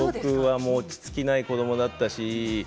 落ち着きない子どもだったし。